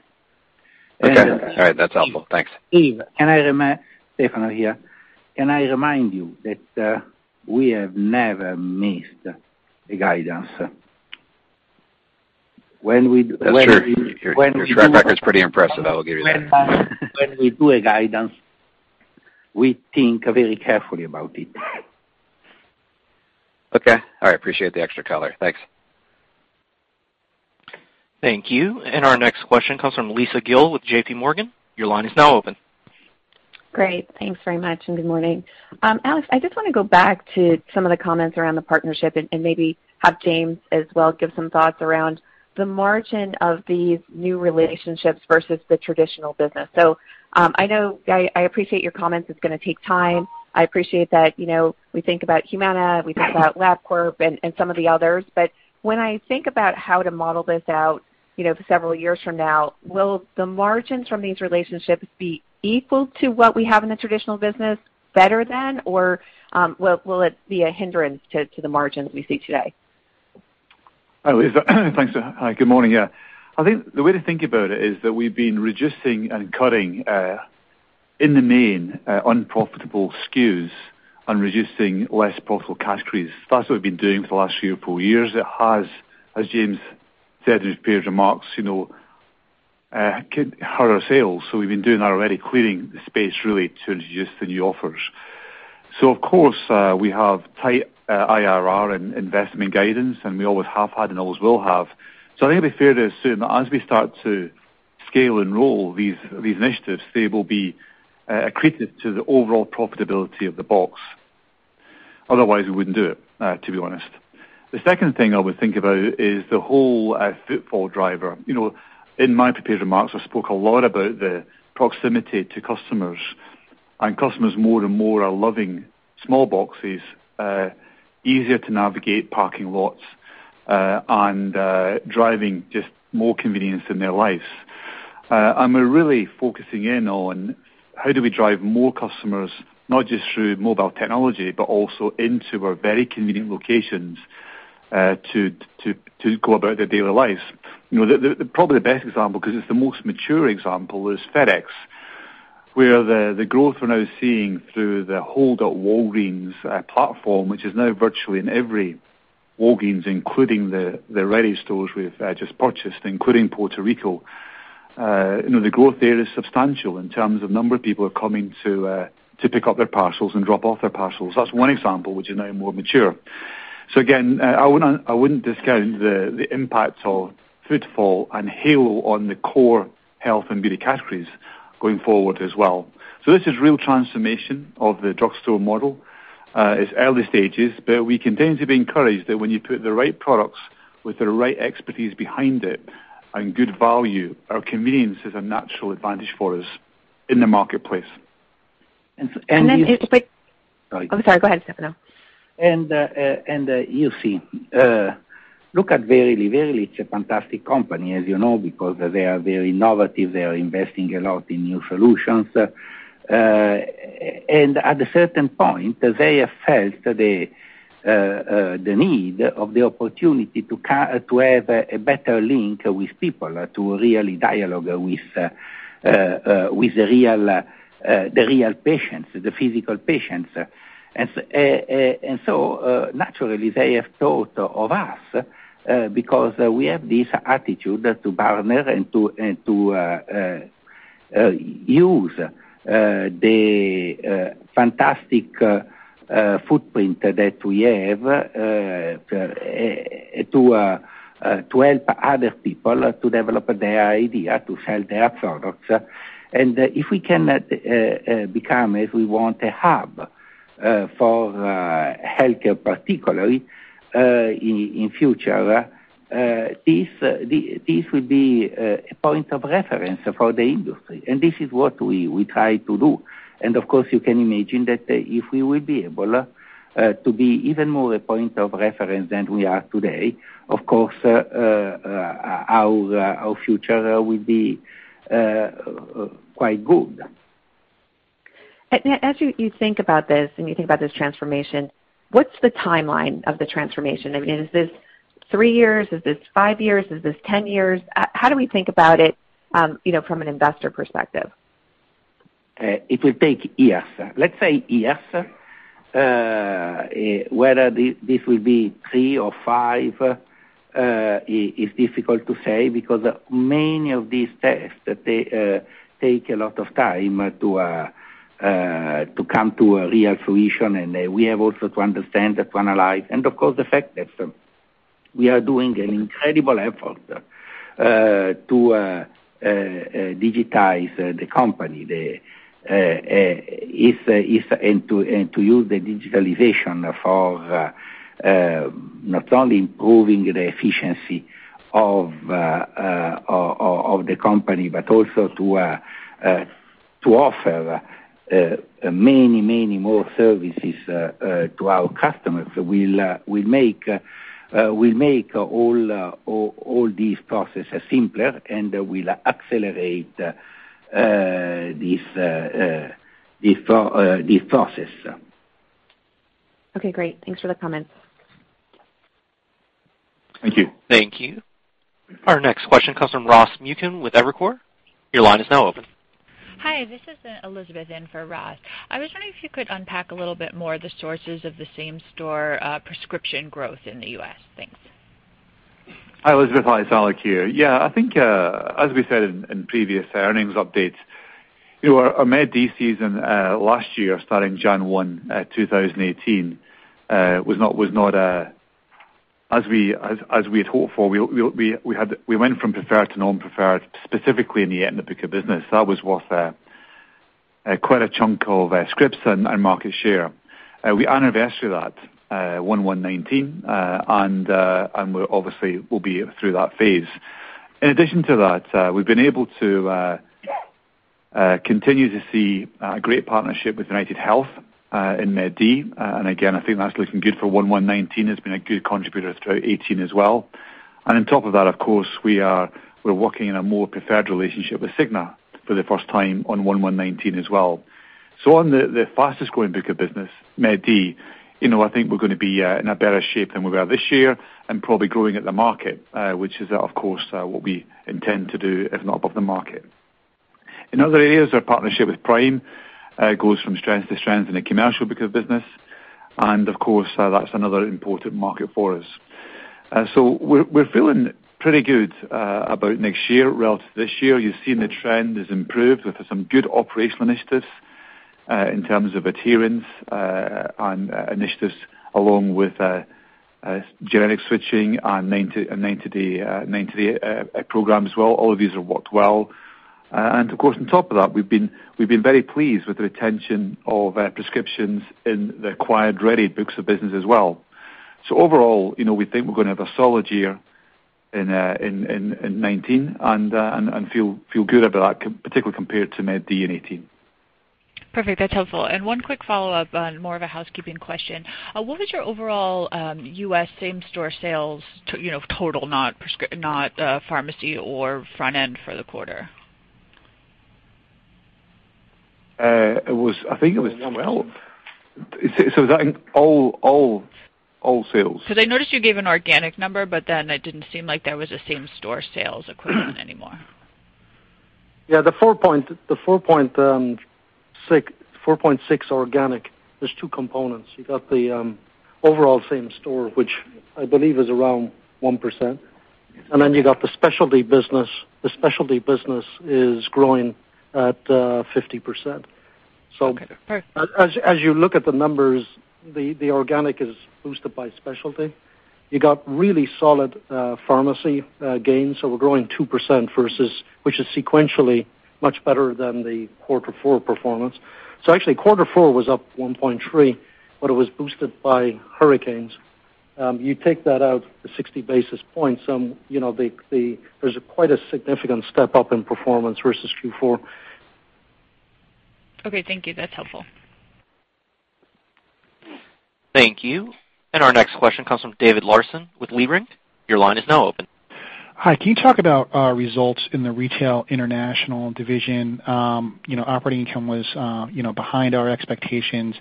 Okay. All right. That's helpful. Thanks. Steven, Stefano here. Can I remind you that we have never missed a guidance. That's true. Your track record's pretty impressive, I will give you that. When we do a guidance, we think very carefully about it. Okay. All right. Appreciate the extra color. Thanks. Thank you. Our next question comes from Lisa Gill with JPMorgan. Your line is now open. Great. Thanks very much, good morning. Alex, I just want to go back to some of the comments around the partnership and maybe have James as well give some thoughts around the margin of these new relationships versus the traditional business. I appreciate your comments, it's going to take time. I appreciate that we think about Humana, we think about Labcorp and some of the others. When I think about how to model this out, for several years from now, will the margins from these relationships be equal to what we have in the traditional business, better than, or will it be a hindrance to the margin that we see today? Hi, Lisa. Thanks. Good morning. I think the way to think about it is that we've been reducing and cutting, in the main, unprofitable SKUs and reducing less profitable cash crews. That's what we've been doing for the last three or four years. It has, as James said in his prepared remarks, hurt our sales. We've been doing that already, clearing the space really to introduce the new offers. Of course, we have tight IRR and investment guidance, and we always have had and always will have. I think it'd be fair to assume that as we start to scale and roll these initiatives, they will be accretive to the overall profitability of the box. Otherwise, we wouldn't do it, to be honest. The second thing I would think about is the whole footfall driver. In my prepared remarks, I spoke a lot about the proximity to customers, and customers more and more are loving small boxes, easier to navigate parking lots, and driving just more convenience in their lives. We're really focusing in on how do we drive more customers not just through mobile technology, but also into our very convenient locations, to go about their daily lives. Probably the best example, because it's the most mature example, is FedEx, where the growth we're now seeing through the whole Walgreens platform, which is now virtually in every Walgreens, including the Rite Aid stores we've just purchased, including Puerto Rico. The growth there is substantial in terms of number of people who are coming to pick up their parcels and drop off their parcels. That's one example, which is now more mature. Again, I wouldn't discount the impact of footfall and halo on the core health and beauty categories going forward as well. This is real transformation of the drugstore model. It's early stages, but we continue to be encouraged that when you put the right products with the right expertise behind it and good value, our convenience is a natural advantage for us in the marketplace. And then- Sorry. I'm sorry. Go ahead, Stefano. You see, look at Verily. Verily, it's a fantastic company, as you know, because they are very innovative. They are investing a lot in new solutions. At a certain point, they have felt the need of the opportunity to have a better link with people, to really dialogue with the real patients, the physical patients. Naturally, they have thought of us, because we have this attitude to partner and to use the fantastic footprint that we have to help other people to develop their idea, to sell their products. If we can become, if we want, a hub for healthcare, particularly, in future, this will be a point of reference for the industry. This is what we try to do. Of course, you can imagine that if we will be able to be even more a point of reference than we are today, of course, our future will be quite good. As you think about this and you think about this transformation, what's the timeline of the transformation? Is this three years? Is this five years? Is this 10 years? How do we think about it from an investor perspective? It will take years. Let's say years. Whether this will be three or five is difficult to say, because many of these tests take a lot of time to come to a real fruition. We have also to understand, to analyze, and of course, the fact that we are doing an incredible effort to digitize the company and to use the digitalization for not only improving the efficiency of the company, but also to offer many, many more services to our customers will make all these processes simpler and will accelerate this process. Okay, great. Thanks for the comments. Thank you. Thank you. Our next question comes from Ross Muken with Evercore. Your line is now open. Hi, this is Elizabeth in for Ross. I was wondering if you could unpack a little bit more the sources of the same-store prescription growth in the U.S. Thanks. Hi, Elizabeth. Hi, it's Alex here. Yeah, I think as we said in previous earnings updates, our Med D season last year, starting January 1, 2018 was not as we had hoped for. We went from preferred to non-preferred, specifically in the PICA business. That was worth quite a chunk of scripts and market share. We anniversary that January 1, 2019, and we obviously will be through that phase. Again, I think that's looking good for January 1, 2019. It's been a good contributor throughout 2018 as well. On top of that, of course, we're working in a more preferred relationship with Cigna for the first time on January 1, 2019 as well. On the fastest-growing PICA business, Med D, I think we're going to be in a better shape than we were this year and probably growing at the market, which is, of course, what we intend to do, if not above the market. In other areas, our partnership with Prime goes from strength to strength in the commercial PICA business. Of course, that's another important market for us. We're feeling pretty good about next year relative to this year. You've seen the trend has improved with some good operational initiatives in terms of adherence and initiatives along with generic switching and 90-day program as well. All of these have worked well. Of course, on top of that, we've been very pleased with the retention of prescriptions in the acquired Rite Aid books of business as well. Overall, we think we're going to have a solid year in 2019 and feel good about that, particularly compared to Med D in 2018. Perfect. That's helpful. One quick follow-up on more of a housekeeping question. What was your overall U.S. same-store sales total, not pharmacy or front end for the quarter? I think it was number 12. Is that in all sales? I noticed you gave an organic number. It didn't seem like there was a same-store sales equivalent anymore. The 4.6% organic, there's two components. You got the overall same-store, which I believe is around 1%. You got the specialty business. The specialty business is growing at 50%. Okay. Perfect. As you look at the numbers, the organic is boosted by specialty. You got really solid pharmacy gains. We're growing 2%, which is sequentially much better than the quarter four performance. Actually, quarter four was up 1.3%, it was boosted by hurricanes. You take that out the 60 basis points, there's quite a significant step up in performance versus Q4. Okay, thank you. That's helpful. Thank you. Our next question comes from David Larsen with Leerink. Your line is now open. Hi. Can you talk about results in the retail international division? Operating income was behind our expectations.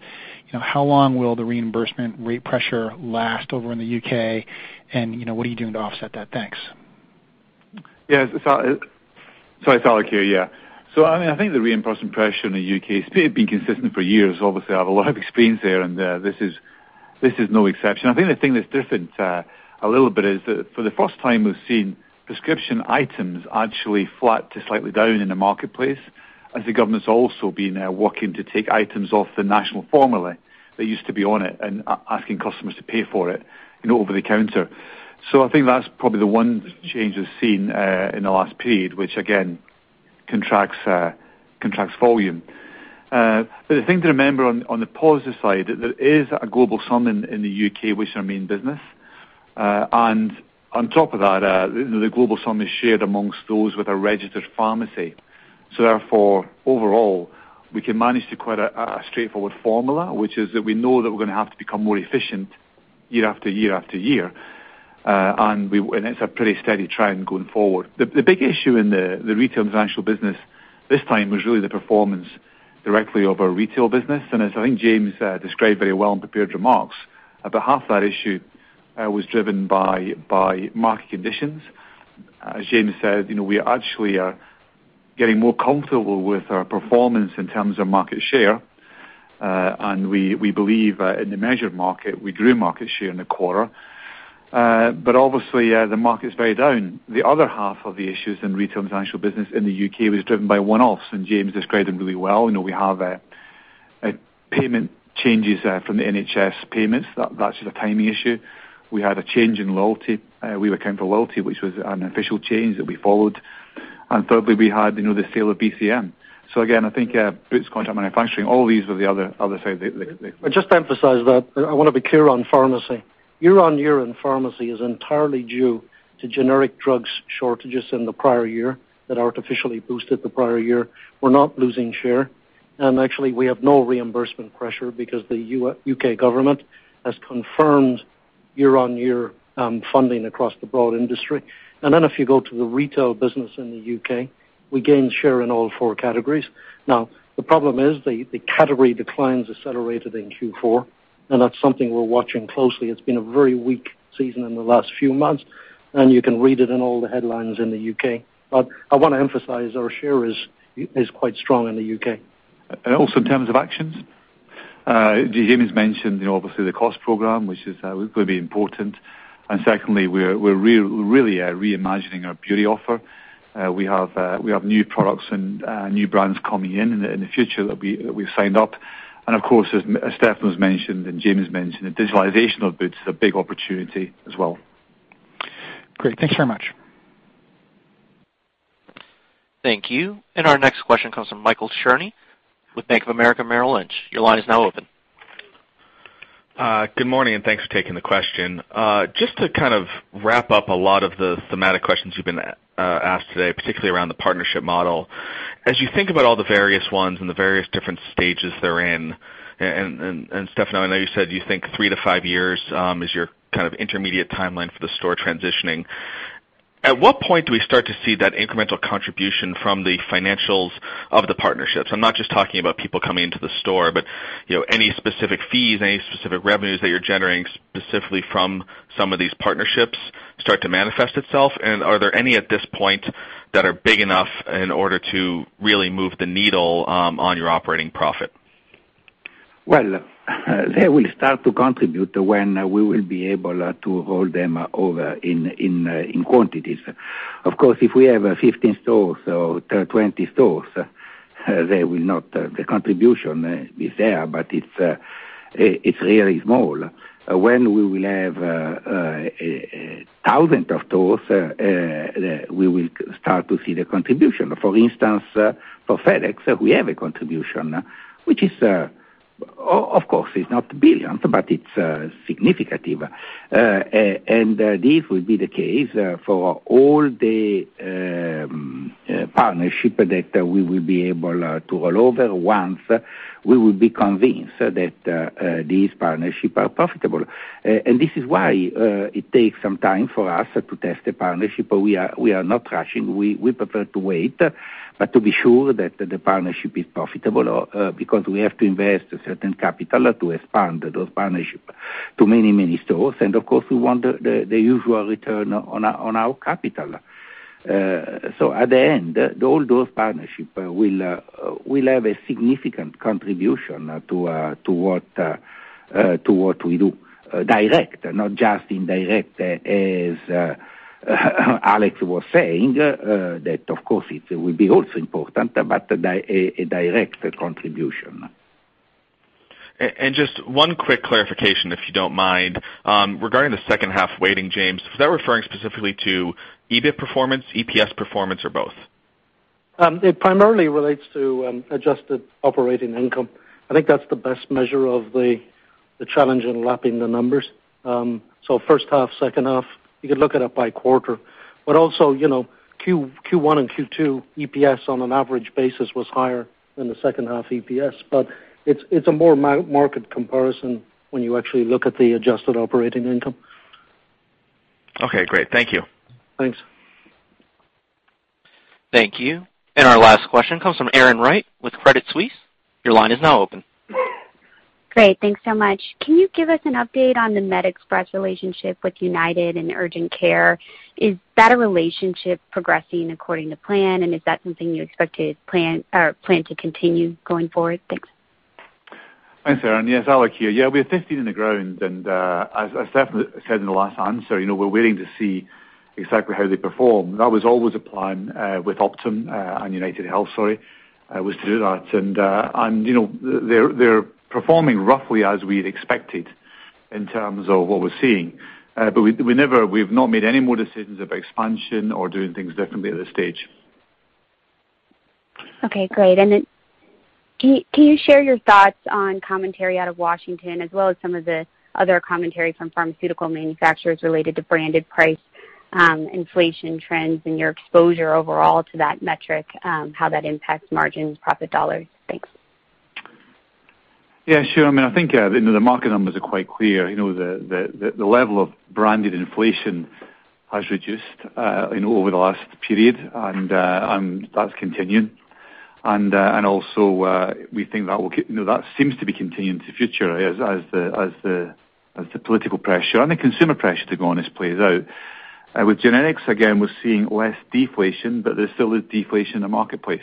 How long will the reimbursement rate pressure last over in the U.K.? What are you doing to offset that? Thanks. Yes. Sorry, it's Alex here. I think the reimbursement pressure in the U.K. has been consistent for years. Obviously, I have a lot of experience there, and this is no exception. I think the thing that's different a little bit is that for the first time, we've seen prescription items actually flat to slightly down in the marketplace, as the government's also been working to take items off the national formulary that used to be on it and asking customers to pay for it over the counter. I think that's probably the one change we've seen in the last period, which again, contracts volume. The thing to remember on the positive side, there is a global sum in the U.K., which is our main business. On top of that, the global sum is shared amongst those with a registered pharmacy. Overall, we can manage to quite a straightforward formula, which is that we know that we're going to have to become more efficient year after year after year. It's a pretty steady trend going forward. The big issue in the retail and financial business this time was really the performance directly of our retail business. As I think James described very well in prepared remarks, about half that issue was driven by market conditions. As James said, we actually are getting more comfortable with our performance in terms of market share. We believe in the measured market, we grew market share in the quarter. Obviously, the market is very down. The other half of the issues in retail and financial business in the U.K. was driven by one-offs, James described them really well. We have payment changes from the NHS payments. That's the timing issue. We had a change in loyalty. We account for loyalty, which was an official change that we followed. Thirdly, we had the sale of BCM. Again, I think Boots Contract Manufacturing, all these were the other side. Just to emphasize that, I want to be clear on pharmacy. year-over-year in pharmacy is entirely due to generic drugs shortages in the prior year that artificially boosted the prior year. We're not losing share. Actually, we have no reimbursement pressure because the U.K. government has confirmed year-over-year funding across the broad industry. If you go to the retail business in the U.K., we gained share in all 4 categories. The problem is the category declines accelerated in Q4, that's something we're watching closely. It's been a very weak season in the last few months, and you can read it in all the headlines in the U.K. I want to emphasize our share is quite strong in the U.K. Also in terms of actions. James mentioned, obviously, the cost program, which is going to be important. Secondly, we're really reimagining our beauty offer. We have new products and new brands coming in in the future that we've signed up. Of course, as Stefano has mentioned, James mentioned, the digitalization of Boots is a big opportunity as well. Great. Thank you very much. Thank you. Our next question comes from Michael Cherny with Bank of America Merrill Lynch. Your line is now open. Good morning, thanks for taking the question. Just to kind of wrap up a lot of the thematic questions you've been asked today, particularly around the partnership model. As you think about all the various ones and the various different stages they're in, Stefano, I know you said you think three to five years is your kind of intermediate timeline for the store transitioning. At what point do we start to see that incremental contribution from the financials of the partnerships? I'm not just talking about people coming into the store, but any specific fees, any specific revenues that you're generating specifically from some of these partnerships start to manifest itself? Are there any at this point that are big enough in order to really move the needle on your operating profit? Well, they will start to contribute when we will be able to hold them over in quantities. Of course, if we have 15 stores or 20 stores, the contribution is there, but it's really small. When we will have 1,000 of those, we will start to see the contribution. For instance, for FedEx, we have a contribution, which is, of course, it's not $ billions, but it's significant. This will be the case for all the partnership that we will be able to roll over once we will be convinced that these partnerships are profitable. This is why it takes some time for us to test the partnership, but we are not rushing. We prefer to wait, but to be sure that the partnership is profitable because we have to invest a certain capital to expand those partnerships to many, many stores. Of course, we want the usual return on our capital. At the end, all those partnerships will have a significant contribution to what we do direct, not just indirect, as Alex was saying, that of course it will be also important, but a direct contribution. Just one quick clarification, if you don't mind. Regarding the second half weighting, James, is that referring specifically to EBIT performance, EPS performance, or both? It primarily relates to adjusted operating income. I think that's the best measure of the challenge in lapping the numbers. First half, second half, you could look at it by quarter. Also, Q1 and Q2 EPS on an average basis was higher than the second half EPS, but it's a more market comparison when you actually look at the adjusted operating income. Okay, great. Thank you. Thanks. Thank you. Our last question comes from Erin Wright with Credit Suisse. Your line is now open. Great. Thanks so much. Can you give us an update on the MedExpress relationship with UnitedHealth and Urgent Care? Is that relationship progressing according to plan, and is that something you expect to plan or plan to continue going forward? Thanks. Thanks, Erin. Yes, Alex here. We are testing in the ground, as Stefano said in the last answer, we're waiting to see exactly how they perform. That was always a plan with Optum and UnitedHealth, sorry, was to do that. They're performing roughly as we'd expected in terms of what we're seeing. We've not made any more decisions about expansion or doing things differently at this stage. Okay, great. Can you share your thoughts on commentary out of Washington as well as some of the other commentary from pharmaceutical manufacturers related to branded price inflation trends and your exposure overall to that metric, how that impacts margins, profit dollars? Thanks. Yeah, sure. I think the market numbers are quite clear. The level of branded inflation has reduced over the last period, and that's continuing. We think that seems to be continuing into future as the political pressure and the consumer pressure, to be honest, plays out. With generics, again, we're seeing less deflation, but there still is deflation in the marketplace.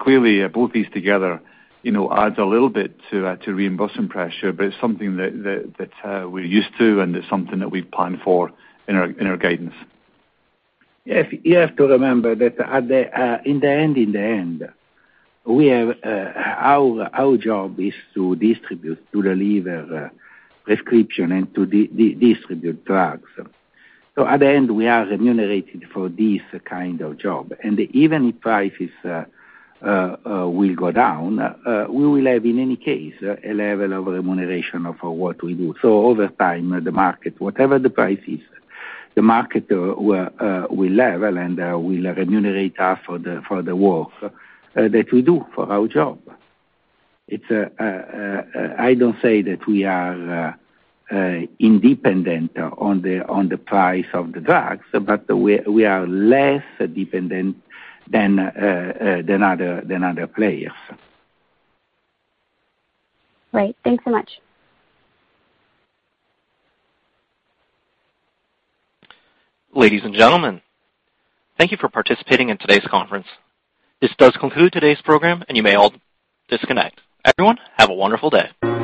Clearly, both these together adds a little bit to reimbursement pressure, but it's something that we're used to, and it's something that we plan for in our guidance. You have to remember that in the end, our job is to distribute, to deliver prescription, and to distribute drugs. In the end, we are remunerated for this kind of job. Even if prices will go down, we will have, in any case, a level of remuneration of what we do. Over time, the market, whatever the price is, the market will level and will remunerate us for the work that we do for our job. I don't say that we are independent on the price of the drugs, but we are less dependent than other players. Right. Thanks so much. Ladies and gentlemen, thank you for participating in today's conference. This does conclude today's program, and you may all disconnect. Everyone, have a wonderful day.